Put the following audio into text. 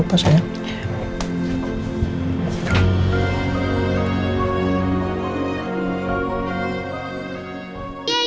teleponnya jangan lupa sayang